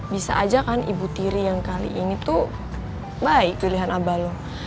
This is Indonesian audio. bisa aja kan ibu tiri yang kali ini tuh baik pilihan abalo